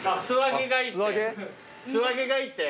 素揚げがいいって。